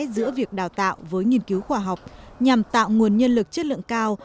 giữa việc đào tạo với nghiên cứu khoa học nhằm tạo nguồn nhân lực chất lượng cao